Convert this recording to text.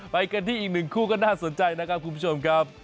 ไปกันที่อีกหนึ่งคู่ก็น่าสนใจนะครับคุณผู้ชมครับ